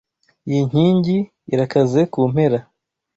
Iyi nkingi irakaze kumpera.